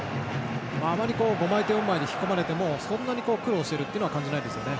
あまり５枚と４枚で引き込まれてもそんなに苦労していることは感じないですね。